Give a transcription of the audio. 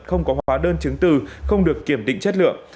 không có hóa đơn chứng từ không được kiểm định chất lượng